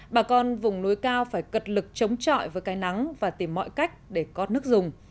bà con vùng núi cao phải cật lực chống trọi với cái nắng và tìm mọi cách để có nước dùng